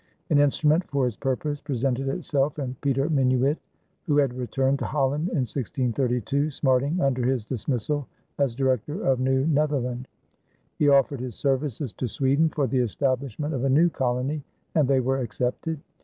An instrument for his purpose presented itself in Peter Minuit, who had returned to Holland in 1632, smarting under his dismissal as Director of New Netherland. He offered his services to Sweden for the establishment of a new colony, and they were accepted.